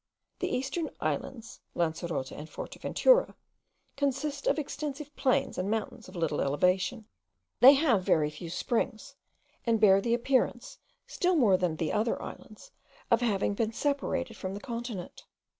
The eastern islands, Lancerota and Forteventura, consist of extensive plains and mountains of little elevation; they have very few springs, and bear the appearance, still more than the other islands, of having been separated from the continent.